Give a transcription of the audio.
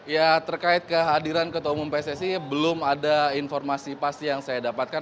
ya terkait kehadiran ketua umum pssi belum ada informasi pasti yang saya dapatkan